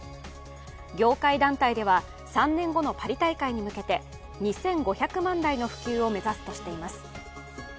業界団体では３年後のパリ大会に向けて２５００万台の普及を目指すとしています。